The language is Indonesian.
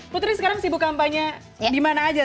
putri sekarang sibuk kampanye di mana aja